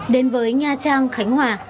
đến với nha trang khánh hòa